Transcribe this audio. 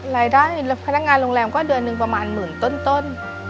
รายได้พนักงานโรงแรมก็เดือนหนึ่งประมาณหมื่นต้น